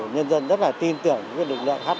nhân dân rất là tin tưởng lực lượng hp hai mươi hai